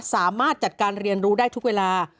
สามารถจัดการเรียนรู้ได้ทุกเวลา